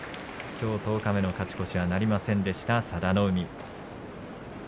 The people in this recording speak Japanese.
きょう十日目の勝ち越しなりませんでした、佐田の海。